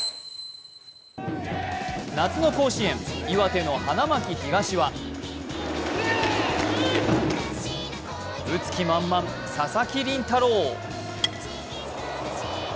夏の甲子園、岩手の花巻東は打つ気満々、佐々木麟太郎。